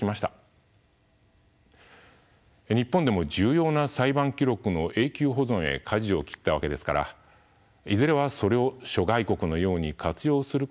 日本でも重要な裁判記録の永久保存へかじを切ったわけですからいずれはそれを諸外国のように活用することが議論になるでしょう。